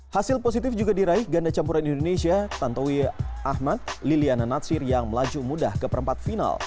hasil positif juga diraih ganda campuran indonesia tantowi ahmad liliana natsir yang melaju mudah ke perempat final